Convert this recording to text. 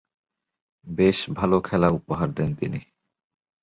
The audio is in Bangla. বেশ ভালো খেলা উপহার দেন তিনি।